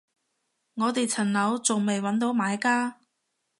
我哋層樓仲未搵到買家